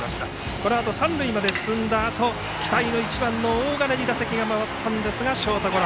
このあと三塁まで進んだあと期待の１番の大金に打席が回ったんですがショートゴロ。